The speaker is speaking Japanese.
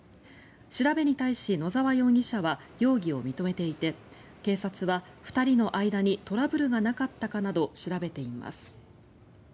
調べに対し野澤容疑者は容疑を認めていて警察は２人の間にトラブルがなかったかなど調べています。